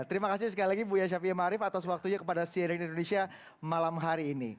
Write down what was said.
terima kasih sekali lagi buya syafiee ma'arif atas waktunya kepada syedin indonesia malam hari ini